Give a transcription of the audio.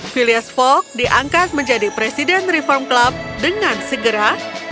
phileas fogg diangkat menjadi presiden reform club dengan segera